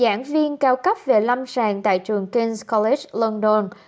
giảng viên cao cấp về lâm sàng tại trường king s college london